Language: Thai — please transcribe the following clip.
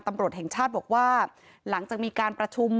ตำรวจแห่งชาติบอกว่าหลังจากมีการประชุม